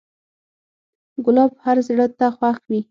ګلاب هر زړه ته خوښ وي.